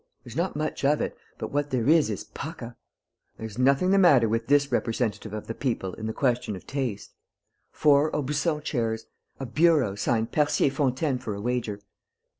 There's not much of it, but what there is is pucka! There's nothing the matter with this representative of the people in the question of taste. Four Aubusson chairs.... A bureau signed 'Percier Fontaine,' for a wager....